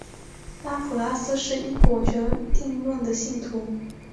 拉普拉斯是因果决定论的信徒。